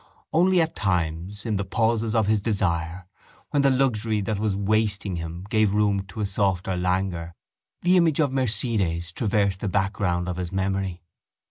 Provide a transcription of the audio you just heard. Only at times, in the pauses of his desire, when the luxury that was wasting him gave room to a softer languor, the image of Mercedes traversed the background of his memory.